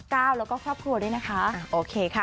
ก้าวแล้วก็ครอบครัวด้วยนะคะ